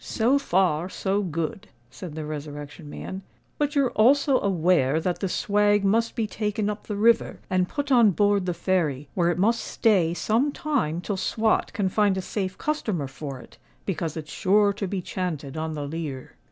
"So far, so good," said the Resurrection Man. "But you're also aware that the swag must be taken up the river and put on board the Fairy, where it must stay some time till Swot can find a safe customer for it, because it's sure to be chanted on the leer."